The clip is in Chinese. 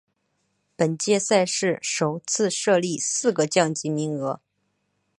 本届赛事首次设立四个降级名额。